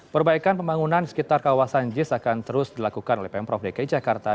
perbaikan pembangunan di sekitar kawasan jis akan terus dilakukan oleh pemprov dki jakarta